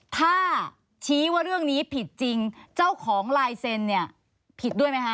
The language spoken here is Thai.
ถ้าชี้ว่าเรื่องนี้ผิดจริงเจ้าของลายเซ็นเนี่ยผิดด้วยไหมคะ